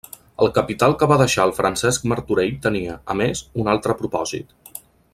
El capital que va deixar el Francesc Martorell tenia, a més, un altre propòsit.